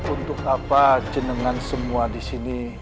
untuk apa jenengan semua disini